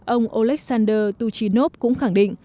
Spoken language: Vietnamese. ông oleksandr tuchinov cũng khẳng định